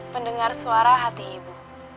pendengar suara hati ibu